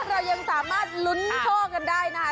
เรายังสามารถลุ้นโชคกันได้นะคะ